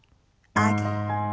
上げて。